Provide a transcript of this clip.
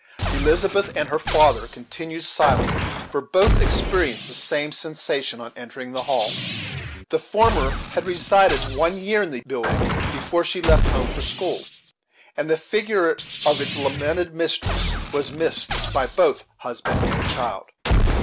Elizabeth and her father continued silent, for both experienced the same sensation on entering the hall. The former had resided one year in the building before she left home for school, and the figure of its lamented mistress was missed by both husband and child.